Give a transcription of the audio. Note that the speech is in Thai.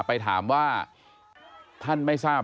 ไปถามว่าท่านไม่ทราบ